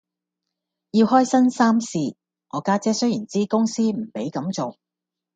要開新衫試，我家姐雖然知公司唔俾咁做，